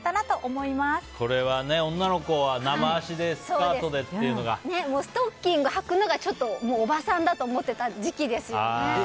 女の子はストッキングをはくのがちょっとおばさんと思ってた時期ですよね。